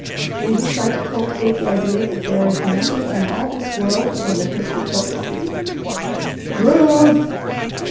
"Will you try to cultivate the idea that there is nothing in all this world that would hurt you purposely?" "Ruth!"